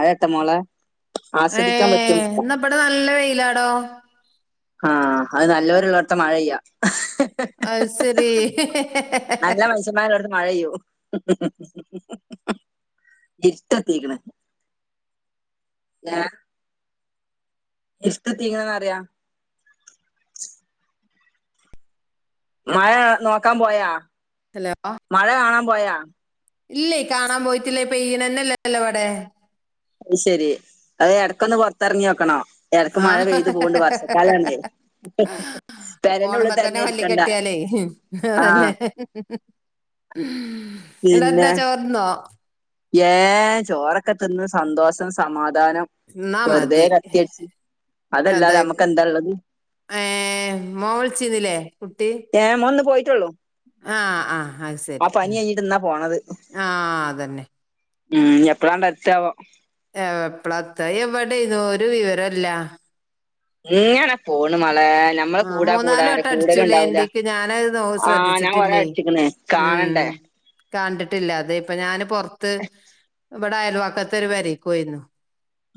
അതെന്താ മോളെ ഏ ആസ്വദിക്കാപറ്റും എന്നാ ഇവിടെ നല്ല വെയിലാടോ ആഹ് അത് നല്ലൊരു ഉള്ളോടത്തു മഴ ഇല്ല അത് ശരി ത്തമ്മാര്ള്ളോട്ത്ത് മഴെയ്യും ഇരുട്ടത്തിക്ക്ന് ഹെ ഇരുട്ട്കുത്തി വരുന്നുണ്ട് മഴ നോക്കാൻ പോയാ ഹലോ മഴ കാണാൻ പോയാ ഇല്ലേ കാണാൻ പോയിട്ടില്ലേ പെയ്യുന്നില്ലലോ ഇവിടെ അത് ശെരി അത് എടക്കൊന്ന് പുറത്തിറങ്ങി നോക്കണം എടക്ക് ആ മഴ പെയ്തു പോവ്ണ്ട് വർഷക്കാലം ആണ് ഫോണുമ്മെതന്നെ മല്ലി കെട്ടിയാലേ ആ അതന്നെ എന്നിട്ട് എന്തൊക്കെ ചോറ്ന്നോ ഏഹ് ചോറൊക്കെ തിന്ന് സന്തോഷം സമാധാനം എന്നാ വെറുതേ മതി കത്തിയടിച്ചു അതല്ലാതെ അമ്മക്ക് എന്താള്ളത് ഏഹ് മോൾ വിളിച്ചീനിലെ കുട്ടി ഏഹ് മോന് ഇന്ന് പോയിട്ടുള്ളൂ ആഹ് ആഹ് അഹ് ആ ശരി പനി ഉം കഴിഞ്ഞിട്ട് എന്നാ പോണത് ആഹ് അതന്നെ ഉം എപ്പോഴാ ഇങ്ങട്ട് എത്തുകയാവോ ഏഹ് എപ്പളത്താ എവിടെന്നു ഒരു വിവരവുമില്ല ഇങ്ങനെ പോണ് മളേ നമ്മള് ആ കൂടാ കൂടാ മൂന്നാല് റ വട്ടം അടിച്ചുലേ കൂടലുണ്ടാവൂല എന്റിക്ക് ഞാനത് നോ ആഹ് ഞാകൊറേ ശ്രദ്ധിച്ചിട്ടില്ലേ അടിച്ചിക്ക്ന് ഉം കാണണ്ടേ കണ്ടിട്ടില്ല അതെപ്പ ഞാന് പൊറത്ത് ഇവടെ അയൽവക്കത്ത് ഒരു പെരീകൊയ്നു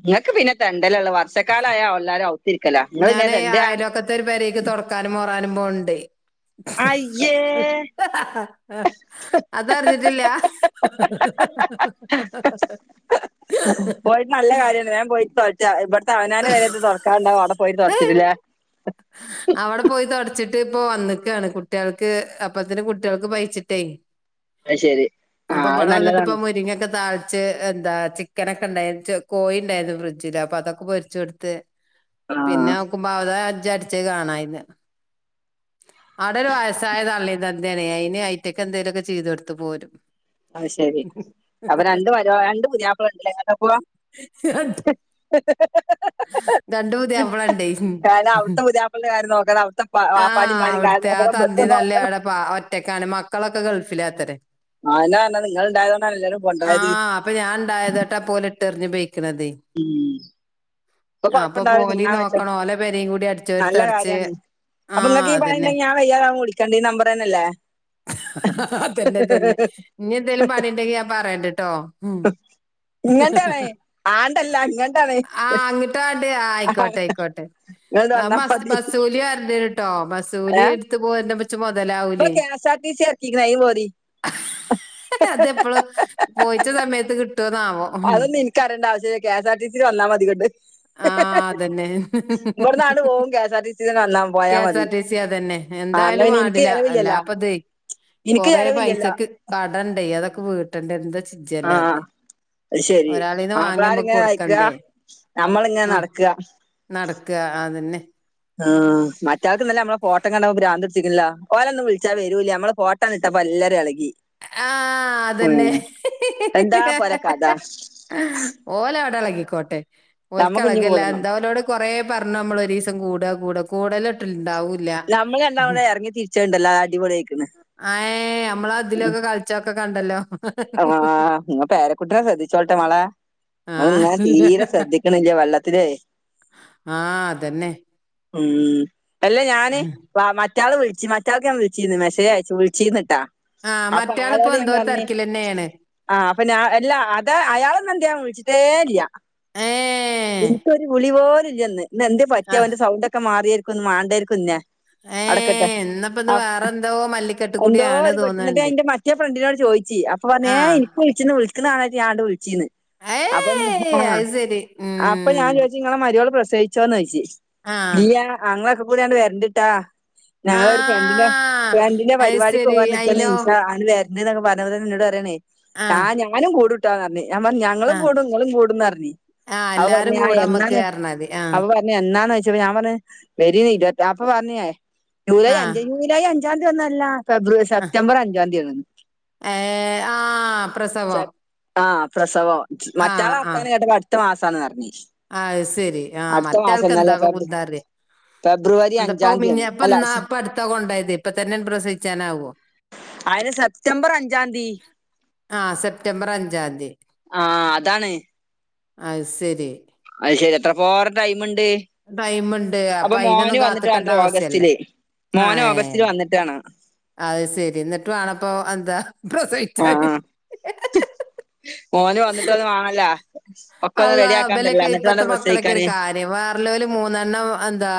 ഇങ്ങക്ക് പിന്നെ തെണ്ടലൊള്ളൂ വർഷക്കാലായ ഒല്ലാരും അകത്തിരിക്കലാ ങ്ങള്ങ്ങനെ തെണ്ടാ ത്തൊരു പെരിക്ക് തൊടക്കാനും മോറാനും പോൺണ്ടെ അയ്യേ ആഹ് അതറിഞ്ഞിട്ടില്ല പോയിട്ട് നല്ല കാര്യ ഞൻ പോയിട്ട് തുടച്ച ഇവിടത്തെ അവനൻറെ ത- പേരെത്തെ തുടക്കണ്ട അവിടെ പോയി തുടച്ചിട്ടില്ലേ അവിടെ പോയി തുടച്ചിട്ട് പ്പൊ വന്നക്കയാണ് കുട്ടികൾക്ക് അപ്പത്തിന് കുട്ടികൾക്ക് പയിച്ചിട്ടേ [inaudible] ആ അപ്പൊ അത് ഇബടെ വന്നിട്ട്പ്പ നല്ലതാണ് മുരിങ്ങൊക്കെ താഴ് ച് എന്താ ചിക്കനൊക്കെ ഉണ്ടായിരുന്നു കോയിണ്ടായിരുന്നു ഫ്രിഡ്ജില് അപ്പൊ അതൊക്കെ പൊരിച്ച കൊടുത്ത് ആ പിന്നെ നോക്കുമ്പ അവത അജ്ജ അടിച്ചേ കാണഞ്ഞില്ല [unintelligible] അവിടെ ഒരു വയസ്സായ തള്ളിമം തന്തയാണ് അയിന് ഐറ്റക്കെ എന്തേലും ഒക്കെ ചെയ്ത കൊടുത്ത പോരും അഹ് ശെരി അപ്പൊ രണ്ട് പരു രണ്ട് പുതിയാപ്പള ണ്ടല്ലേപ്പോ രണ്ടു ഹി ഹി പുതിയാപ്പിളണ്ടേ കാരണം അവിടുത്തെ പുയാപിളേടെ കാര്യം നോക്കണം അവിടുത്തെ ആ വാപ്പന്റിം ഇമ്മന്റിം ക അവിടുത്തെ ആ തന്തി തള്ളി അവിടെ പ ഒറ്റക്കാണ് മക്കളൊക്കെ ഗൾഫിലാത്തര ആ എന്നാ എന്നാ നിങ്ങൾ ഉണ്ടായത എല്ലാരും ആ കൊണ്ടായത് അപ്പൊ ഞാൻ ഉണ്ടായത് കൊണ്ട പോലെ ഇട്ട്റിഞ് പെയക്കണേ ഉം ഇപ്പൊ കൊഴപ്പ ണ്ടാവ പോലീം നതിന്നാൻ വച്ചോ നോക്കണം ഓലെ പെരേം കൂടി അടിച്ചോരി നല്ല തൊടച്ച് കാര്യാണ് അപ്പൊ ആഹ് നിങ്ങക്ക്ഈ അതന്നെ പണിണ്ടെങ്കി ഞാ വയ്യതാവ വിളിക്കണ്ട ഈ നമ്പർന്നല്ലേ? അതന്നെ തന്നെ നനി എന്തേലും പണിണ്ടെങ്കി ഞാൻ പറയണ്ടിട്ടോ മ് ങ്ങട്ടാണേ ആണ്ടല്ല ഇങ്ങട്ടാണേ ആഹ് അങ്ങിട്ട് വണ്ട് ആ ആയിക്കോട്ടെ ആയിക്കോട്ടെ ഇങ്ങോട്ട് വന്നാ മതി ബസൂലി വരണ്ട് ട്ടോ ബസൂലി ഏ എടുത്ത പോ ച് ഇപ്പൊ മുതലാവൂലേ K S R T C ഇറക്കിക്കണ ഈ പോരി അതെപ്പോളാ പോയിച്ച സമയത്ത് കിട്ടുവോന്നാവോ അതൊന്നുംനിക്കറിയണ്ട ആവശ്യമില്ല K S R T C വന്നാ മതി ങ്ങട്ട് ആ അതന്നെ പോകും K S R T C തന്നെ വന്നാ കെ പോയാ എസ് മതി ആർ ടി സി അതന്നെ ആ എന്നാ എന്തായാലും പിന്നെ എനിക്ക് വേണ്ടില്ല ചെലവില്ലല്ലോ എല്ലാപ്പതേ എനിക്ക് കൊറ ചെലവില്ലല്ലോ പൈസക്ക് കടണ്ടേ അതൊക്കെ വീട്ട് കിട്ടേണ്ട എന്താ ആ ചിജ്ജല്ലോ അതെ അത് ശരി ഒരാളീന്ന് വാങ്ങി നമ്മുക്ക് മാപ്പിളാരിങ്ങനെ അയക്കുക കൊടുക്കണ്ടേ? നമ്മളിങ്ങനെ ആഹ് നടക്ക നടക്ക അതന്നെ ആ് മറ്റാൾക്ക് ഇന്നലെ നമ്മള ഫോട്ടം കണ്ട്പോ ഭ്രാന്ത്‌ പിടിച്ചുക്കുന്നല്ലോ ഓലൊന്നും വിളിച്ചാൽ വരൂലേ നമ്മ ഫോട്ടോ ട്ടണിട്ടപ്പോ എല്ലാരും എളകി ആഹ് അതന്നെ എന്താ പോലെ കഥ ഓല വിടെ ഇളകിക്കോട്ടെ നമ്മക്ക് ഇഞ്ഞും ഓല്ക്കളകിയല്ല കൂടണം എന്താ ഓനോട് കൊറേ പറഞ്ഞു നമ്മള ഒരീസം കൂട കൂട കൂടലിട്ട ണ്ടാവൂല്ല ചെണ്ടല്ല അടിപോളിയയ്ക്കൻ ആഏ നമ്മളതിലൊക്കെ കളിച്ചൊക്കെ കണ്ടല്ലോ ആ് നി പേരെക്കുട്ടനെ ശ്രദ്ധിച്ചോളട്ടെ മളെ ങ്ങള് ആഹ് അതിനെ തീരെ ശ്രദ്ധിക്കണില്ലേ വെള്ളത്തില ആഹ അതെന്നെ മ് അല്ലെ ഞാന് വാ മറ്റാൾക്ക് വിളിച്ചച്ച് മറ്റാൾക്ക ഞാന് വിച്ചീന്ന് മെസ്സേജ് അയച്ചു വിളിച്ചിന്നിട്ടാ ആഹ് മറ്റാളിപ്പോൊ എന്തോ തിരക്കിലന്നെയാണ് ആഹ് അപ്പൊ ഞാ എല്ലാ അത് അയാളൊന്നും എന്ത്യാൻ വിളിച്ചിട്ടേ ഇല്ല ഏഹ് എനിക്കൊരു വിളി പോലല്ലന്ന് എന്തേ ആ പറ്റിയ എന്റെ സൗണ്ട് ഒക്കെ ഒക്കെ മാറിയിരിക്കും മണ്ടായിരിക്കുംന്നെ ഏ അടക്കട്ടെ എന്നപ്പത് വേറെന്തോ മല്ലിക്കെട്ട് എന്തോ കൂടിയാണ് ഒരു പെട്ടെന്ന തോന്ന്ണ്ട്. അതിന്റെ മറ്റേ ഫ്രണ്ടിനോട് ചോദിച്ചി അപ്പൊ ന്നെ ആ എനിക്ക് വിളിച്ചന്ന് വിളിക്കുന്നണ ആലരുതി വിളിച്ചീന്ന് അപ്പൊ ഏയ് ആ അത് ശരി അപ്പൊ ഉം ഞാൻ ചോദിച്ചു ഇങ്ങളെ മരുവോൾ പ്രസേവിച്ചോന്ന് ചദിച്ചി ആ ഇല്ലയ അങ്ങൊക്കെ കൂടാണ് വരണ്ടിട്ടാ ആ ഞങ്ങളൊരു ഫ്രണ്ടിന്റെ ഫ്രണ്ടിന്റെ അത് പരിപാടിക്ക് ശരി പോവാ നിക്കാണ് അയിലോ ഇസ അങ്ങട്ട് വരണനൊക്കെ പറഞ്ഞത് നിന്നോട് താണേ ആ ട്ട ഞാനും കൂടുട്ടോന്ന് ഞാപറഞ്ഞ് ഞാ ആ ങ്ങളും കൂടും ങ്ങളും കൂടുംന്ന്പറഞ്ഞി ആ എല്ലാരും അവപറഞ്ഞ് കൂടമ്മക്ക് എന്നാന്ന് പറഞ്ഞാതി ആ അവ പറ എന്നാന്ന് ചോയിച്ചപ്പോ ഞാൻ പറഞ്ഞ് വരിന്ന ഇരുവത്താ അപ്പൊ പറഞ്ഞേ ജൂലൈ ആ അഞ്ചേനു ജൂലൈ അഞ്ചാന്തി ഒന്നുവല്ലാ ഫെബ്രുവരി ആ സെപ്റ്റബർ അഞ്ചാന്തി ആണ് ഏ ആ പ്രസവം ആ പ്രസവം ആ മറ്റാളെ അടുത്ത മാസാണ് പറഞ്ഞ് അയ് ശരി ആ മറ്റേ ആൾക്കെന്താകും ഫെബ്രു കുന്തറിയ ഫെബ്രുവരി എന്താപ്പ അഞ്ചാം തീയതിയാണ് മിഞ്ഞപ്പ അല്ല ന്നാ സ- അപ്പ അടുത്താ കൊണ്ടോയത് ഇപ്പ തന്നെ പ്രസവിച്ചാനാവോ അയിന് സെപ്റ്റംബർ അഞ്ചാന്തി ആ സെപ്റ്റംബർ അഞ്ചാന്തി ആ അതാണ് അയ് ശരി അയ് ശരി എത്ര പോരെ ടൈമ്ണ്ട് ടൈമ്ണ്ട് അപ്പൊ അയിനൊന്നും കാത്ത്ക്കണ്ട വേണ്ടേ ആവസ്യല്ല ആ ഏ ന്നിട്ടാണ് അത് ശരി എന്നിട്ട് വേണപ്പോ എന്താ പ്രസവിച്ചാല് ഓല് വന്നിട്ടൊന്ന് വേണോലോ ഒക്കെ ഒന്ന് റെഡിയാക്കാനുണ്ടല്ലോ എന്നിട്ട് വേണം പ്രസിക്കാന് വിവാറലേല് മൂന്നെണ്ണം എന്താ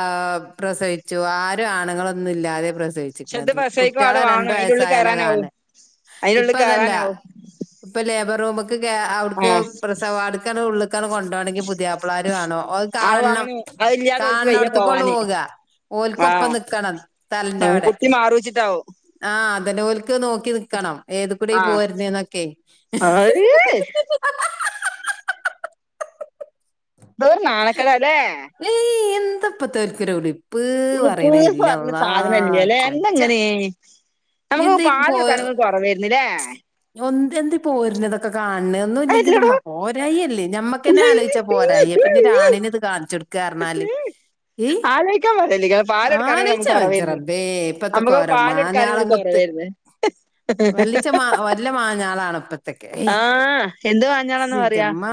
പ്രസവിച്ചു ആരും ആണുങ്ങളൊന്നും ഇല്ലാതെ പ്രസവി പക്ഷെ ഇത് ചിക്ക്ന്നത് പ്രസവിക്കും അവിടെ കുട്ടികളെ വേണം രണ്ടു അതിന്റെ ഉള്ളിൽ വയസ്സായാലെ കയറാനാവും കാണ് അതിന്റെ ഇപ്പ ഉള്ളിൽ അതല്ല കയറാനാവും ഇപ്പൊ ലേബർറൂമ്ക്ക് കേ ആ അവിട്ക്ക് പ്രസവ വാഡുക്കങ്ങട്ട് ഉള്ളക്കാണ് കൊണ്ടോണേങ്കിൽ പുതിയാപ്പിള്ളാര് വേണം ഓൽ അത് കാണണം വേണം അതില്ലാതെ ഓർക്ക് വയ്യ കാണണോടത്ത്ക്ക് കൊണ്ട് പോവാന് പോക ആ ഓൽക്കൊപ്പം നിക്കണം ആ, തൽന്റെവടെ കുട്ടി മാറിവെച്ചിട്ടാവും ആ അതന്നെ ഓൽക്ക് നോക്കി നിക്കണം ഏത് കൂടെ പോരുണെന്നൊക്കെ ഈ [unintelligible] എന്തൊരു നാണകേടാല്ലെ ഏയ് എന്തപ്പതോരിക്കൊരു ഉളിപ്പ് ഉളുപ്പ് പറയണ ഇല്ല അള്ളാ ചെ ച്ച ഏയ് നമുക്ക് പാല് എടുക്കാനൊക്കെ കുറവായിരുന്നല്ലേ ഒന്തി ഒന്തിപ്പോരുണതൊ ഒക്കെ കാൺണുന്നു ഇല്ലെങ്കി ഇത് അല്ലടോ പോരായില്ലേ ഞമ്മക്കന്നെ ആലോചിച്ചാ പോരായി പിന്നെ രാണിനെ ഇത് കാണിച്ച് കൊടുക്ക കർണാല് ആലോചിക്കാൻ പറ്റുന്നില്ല പാലെടുക്കാനും നമ്മുക്ക് ആലോചിച്ചാ മതി കൊറവാരുന്നു റബ്ബേ ഇപ്പത്തെ നമ്മുക്ക് കോരൻ മാഞ്ഞാളം പാലെടുക്കാനും കുത്ത് കൊറവേ രുന്നു [unintelligible] ല്ല മാഞ്ഞാളാണ് ഇപ്പ ആ എന്ത് മാഞ്ഞാണെന്ന് പറയാ ആ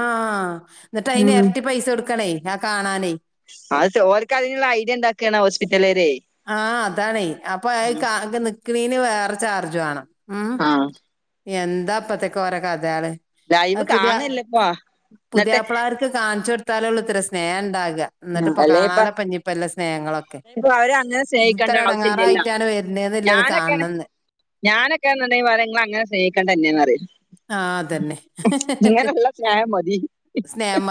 എന്നിട്ട് അയിന് ഉം ഇരട്ടി പൈസ കൊടുക്കണേ ഞാ കാണാനേ അത് ഓരുക്ക് അതിനുള്ള ഐഡിയ ഉണ്ടാക്കുകയാണ് ഹോസ്പിറ്റലാരെ ആ അതാണേ അപ്പൊ അത് കാകെ നിക്കണേന് വേറെ ചാർജ് വേണം ആ ആഹ് എന്താ അപ്പത്തേക്ക് ഓരോ കഥാള് അ ലൈവ് പുതിയാ കാണല്ലപ്പാ എന്നിട്ട് പുതിയപ്പളാർ ത്കാൺചൊട്ത്താലൊള്ളൂത്രെ സ്നേഹം ഉണ്ടാക്അ. ന്നട്ട്പ്പൊ അല്ലേ ഇപ്പ കാണാലോ പഞ്ഞിപ്പല്ല സ്നേഹങ്ങളൊക്കെ ഇപ്പൊ അവരെ അങ്ങനെ ഇത് ഇത്ര സ്നേഹിക്കേണ്ട ആവശ്യല്ലല്ലോ. എടങ്ങാറായിട്ടാണ് വരുന്നേന്നില്ലത് ഞാനൊക്കേണെ കാണണംന്ന് ഞാനൊക്കേൺന്ന്ണ്ടെങ്കി പറ്യും ങ്ങളങ്ങനെ സ്നേഹിക്കണ്ടന്നെന്നറ്യും ആ അതന്നെ ഇങ്ങനെള്ള സ്നേഹം മതി. സ്നേഹം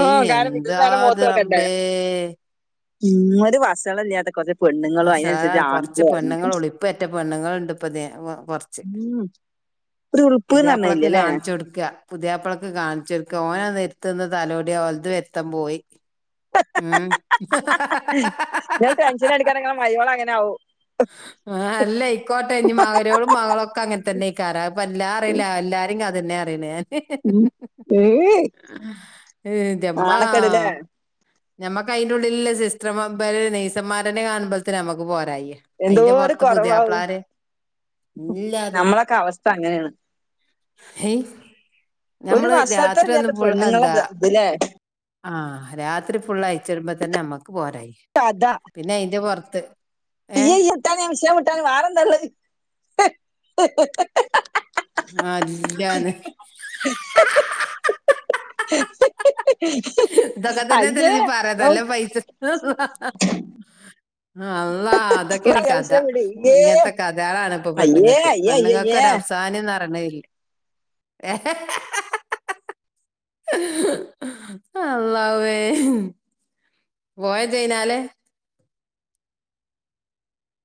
ഓകാരംമിത് ത്താത് റബ്ബേ മ് ഒരു വസളല്യാത്ത കൊർച്ച് വഷളാൻ കൊർച്ച് പെണ്ണുങ്ങളൊള്ളൂ. ഇപ്പെറ്റ പെണ്ണുങ്ങൾണ്ട് ഇപ്പതിന് കൊർച്ച് ഉം ഒരു ഉളുപ്പ്ന്ന് പറഞ്ഞില്ല പുത്യാപ്ലക്ക് അല്ലേ കാൺച്ചൊട്ക്ക പുത്യാപ്ലക്ക് കാൺച്ചൊട്ക്ക. ഓനത് എര്ത്ത്ന്ന് തലോട്യ ഓൽത് വെര്ത്തം പോയി. ഉം ങ്ങള് ടെൻഷനടിക്കണ്ട. ങ്ങളെ മര്യോളങ്ങനാവും. ആഹ് അല്ല അയ്ക്കോട്ടെ ഇനി മ മരോളും, മകളു ഒക്കെ അങ്ങൻതന്നേക്കാരം അപ്പ ല്ലാറീല എല്ലാരിം ക തന്നെ അറിണേ. ഉം ഏയ് ഹ്.. ന്റമ്മാ. നാണക്കേടല്ലേ ഞമ്മക്കയിന്റുള്ളിലില്ല സിസ്റ്റർ നെയ്സന്മാരന്നേ കാണുമ്പത്തിന് ഞമ്മക്ക് പോരായ്യ്യ. അയ്ന്റെ എന്തോരു പൊറത്ത് കുറവാവും പുതിയാപ്ളാരേം ഇല്ലാതെ. നമ്മളൊക്കെ അവസ്ഥ അങ്ങനെയാണ് ഹെയ് ഒരു ഞമ്മള് രാത്രി ഒന്ന് വസൾത്തരമില്ലാത്ത ഫുൾ പെണ്ണുങ്ങളെ എന്താ. ഇത് ! ! ഇതില്ലേ ! ! ! ! ! ! ! ആഹ് രാത്രി ഫുള്ളയ്ച്ചിടുമ്പ തന്നെമ്മക്ക് പോരായ്യ്യ! ! ! ! ! ! ! ! ! ! കഥ പിന്നയിന്റെ പൊർത്ത്. അയ് അയ് വിട്ടാണി ആവിഷയം വിട്ടാണി വാറന്തള്ളത്. ആഹ് [inaudible] ഞാന്. [inaudible] തൊക്കതന്നല്ലേ അയ്യേ തില് പറയ ഔ നല്ലോം പൈസ. ! ! ! ! ! ! ! ! ! ! അള്ളാ അതൊക്കേണ് കഥ. വിഷയം വിട് ഇയ്യേ ഇങ്ങൻത്തെ കഥേളാണ്പ്പ അയ്യേ പെണ്ണുങ്ങക്ക് അയ്യേ പെണ്ങ്ങക്ക് അയ്യയ്യേ ഒരവ്സാന്യം ന്നറിണതില്ല. ഏ അല്ലാഹുവേ. ഏ പോയൊജയ്നാല്ലേ.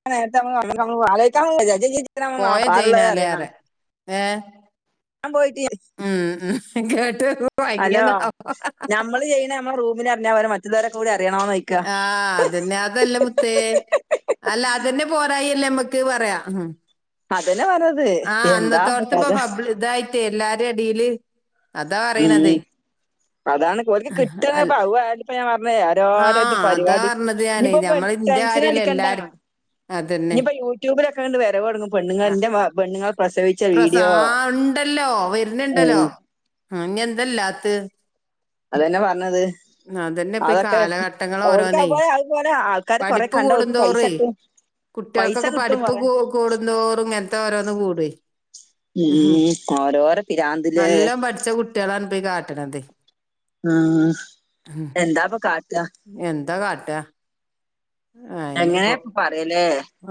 ആ നേരത്തെ ന ആ പാറള്ളത് അറിയണം [inaudible] ഏഹ് ഞാ പോയിട്ട്. ഉം ഉം കേട്ടു. ഹലോ ഞമ്മള് ചെയ്യണേ ഞമ്മളെ റൂമില് അർഞപ്പോരേ മറ്റ്ള്ളോരെ കൂടി അറിയണോന്. ! ! ! ! ! ! ! ! ! ! ആഹ്. അതന്നെ അതല്ല മുത്തേ അല്ല അതെന്നെ പോരായല്ലേമ്മക്ക് പറയാ. അതന്നെ പറഞ്ഞത്. ആഹ് എന്താ ഇപ്പൊ അന്നത്തോടത്ത് ഇപ്പ കഥ പബ്ളി ഇതായിട്ടേ എല്ലാരീം എടില്. ഉ അതാണ് ഓൽക്ക് കിട്ടും അൽ- അതിപ്പ ഞാൻ പറഞ്ഞ. ആ ത് അതാ പരിപാടി പറഞ്ഞത് ഞാന് ഇനിയിപ്പോ ഞമ്മള് ഇന്റെ കാര്യല്ല ടെൻഷനടിക്കണ്ട എല്ലാരും അതന്നെ ഇനിപ്പോ യൂ. യൂട്ടുബിലൊക്കെണ്ട് വരവൊടങ്ങും പെണ്ണുങ്ങള് ന്റെ പെണ്ണ്ങ്ങള പ്രസവി. പ്രസാ ആണ്ടല്ലോ വര്ന്ണ്ടല്ലോ ഉം ഇനി എന്തല്ലാത്ത്. അതന്നെ പറഞ്ഞത്. അതന്നെ ഇപ്പൊ ഈ അതൊക്കെ കാലഘട്ടങ്ങൾ ഓൾക്ക് ഓരോന്നേ അതുപോലെ ആൾക്കാര് കൊറെ കണ്ട ഓക്ക് പൈസ ട്ടും. കുട്ട്യേൾക്കൊക്കെ പഠിപ്പ് കൂടുന്തോറും ഇങ്ങനത്തെ ഓരോന്ന് കൂടും. ഉംഓരോര പിരാന്ത്‌ലേ. ച്ച കുട്ട്യേളാണ് പേ കാട്ട്ണതെയ്. ആ എന്താപ്പൊ കാട്ട. എന്താ കാട്ടുകാ അയ്നെപ്പൊ എങ്ങനെപ്പൊ പറയല്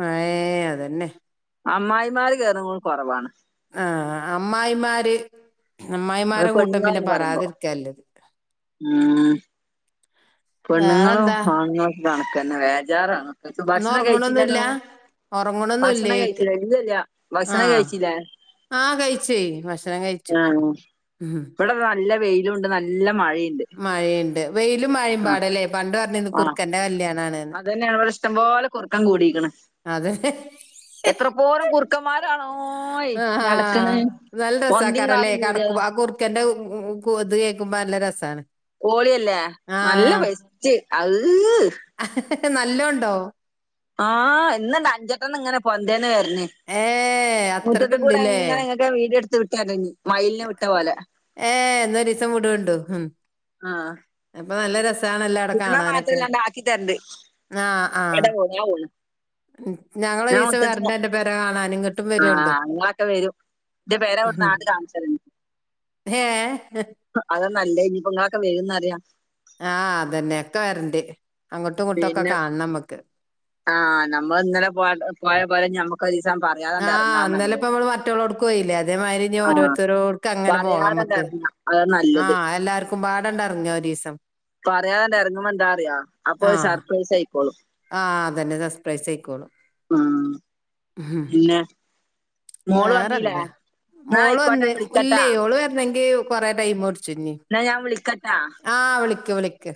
ഏഹ് അതന്നെ. അമ്മായിമാര് കേറുമ്പളും കൊറവാണ്. ആ അമ്മായിമാര്. അത് അമ്മായിമാരെ കൂട്ടം പിന്നെ പെണ്ണുങ്ങളാങ്ങനെ പറീമ്പോ പറയാതിരിക്കാ നല്ലത് ആ പെണ്ണുങ്ങളും വേറെന്താ ആണുങ്ങളോക്കെ കണക്കന്നെ വേജാറാണ്. ഇന്ന് ഭക്ഷണം കയിച്ചില്ലേനു ഒറങ്ങണൊന്നുല്ല ഭക്ഷണം ഒറങ്ങണൊന്നുല്ലേയ്ക്ക കഴിച്ചില്ലേ ഇല്ലല്ല ഭക്ഷണം ആഹ് കഴിച്ചില്ലേ. ആഹ് കഴിച്ചെയ് ഭക്ഷണം കഴിച്ചു. ആഹ് ഇവിടെ നല്ല വെയിലുമൊണ്ട് നല്ല മഴീണ്ട് മഴേംണ്ട് വെയിലും മഴേം പാടല്ലേ പണ്ട് പറഞ്ഞീന്നു കുറുക്കന്റെ കല്യാണാണ്ന്ന് ഇതന്നെ ഇവിടെ ഇഷ്ടംപോലെ കുറുക്കൻ കൂടീക്കണ് അതെ ഹേ കുറുക്കന്മാരാണോയ് ആഹാ നടക്കണ് നല്ല പൊന്തിയും രസാക്കാരലെ കാടും കൂടിയ കടക്ക്മ്പ കൊ ഇക്കാന്റെ ഉ ഉ കുത് കേക്കുമ്പ നല്ല രസാണ് ഓളിയല്ലേ ആ നല്ല ബെസ്റ്റ് അവ്ഹ് നല്ലൊണ്ടോ ആ ഇന്നൊണ്ട് അഞ്ചെട്ടണ്ണങ്ങനെ പൊന്തേന്ന് വര്ണ് ഏ മുറ്റത്തികൂടെ അത്രക്ക്ണ്ട്ല്ലേ. ഇങ്ങനെ ഇങ്ങ് ഒക്കെ വീഡിയോ എടുത്ത് വിട്ടേരാം ഇഞി മയിലിനെ വിട്ടപോലെ ഏ എന്ന ഒരീസംവിടൊണ്ടു ഹും ആ അവിടെ വിടണ കാണാനൊക്കെ. മാത്രല്ലാണ്ട് ആക്കിതരണ്ട് ആ ആ എടവൊ [unintelligible] ഞാ ഞങ്ങളൊരീസം കൊടുത്തിട്ടുണ്ട് വരണ്ട് അന്റെ പെര കാണാന് ഇങ്ങട്ടും ആ വരോണ്ടു. എന്നാഒക്കെ വെരും ദേ വേറെ ഒരുനാട് കാണിചരണ് ഏ ഹ് അതാ നല്ലത് ഇനിപ്പോ ഇങ്ങളൊക്കെ വെരോന്നറിയാ ആ അതന്നെ ഒക്കെവരണ്ട് അങ്ങോട്ടും ഇങ്ങോട്ടൊക്കെ പിന്നെ കാൺണം ഞമ്മക്ക് ആ നമ്മള് ഇന്നലെ പോയ പോയപോലെ ഇനി ഞമ്മക് ആ ഇന്നലെ ഇപ്പ ഞമ്മള് മറ്റോളോട്ക്കോയിലെ അതേമാരി ഞി ആ ഓരോര്ത്തരോ ക്കങ്ങനെ പറയാതെ പോവാമ്മക്ക് ഇറങ്ങാം അത് ആ നല്ലത് എല്ലാർക്കുമ്പാടണ്ടറങ്ങാ ഒരീസം പറയാതണ്ട് എറങ്ങുമ്പൊ എന്താ അറിയൊ അപ്പൊര് സർപ്രൈസായ്ക്കോളും ആ അതന്നെ സസ്പ്രൈസ് അയ്ക്കോളും ഉം. ആ പിന്നെ മോള് വന്നില്ലേ വേറെന്താ എന്നാ മോളു ആയിക്കോട്ടെ വിളിക്കട്ടാ വന്നേക്കുല്ലെ ഓള് വര്ണെങ്കി കൊറെ ടൈമുടിച്ചും ഇഞി എന്നാ ഞാൻ വിളിക്കട്ടാ ആ വിളിക്ക് വിളിക്ക്